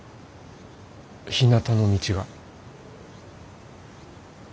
ひなたの道が。